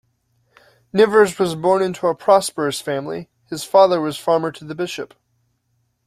Nivers was born into a prosperous family: his father was farmer to the bishop.